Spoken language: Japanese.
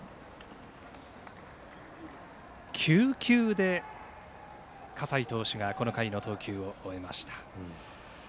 ９球で葛西投手がこの回の投球を終えました。